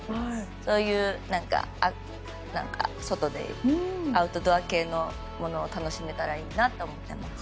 そういう、外でアウトドア系のものを楽しめたらいいなと思っています。